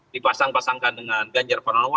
dipasang pasangkan dengan ganjar pranowo